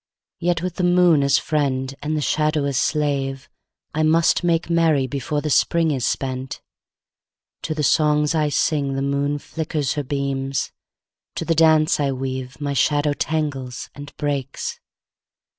Yet with the moon as friend and the shadow as slave I must make merry before the Spring is spent. To the songs I sing the moon flickers her beams; In the dance I weave my shadow tangles and breaks.